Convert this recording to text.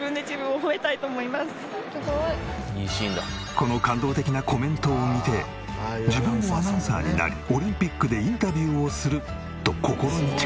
この感動的なコメントを見て自分もアナウンサーになりオリンピックでインタビューをすると心に誓った。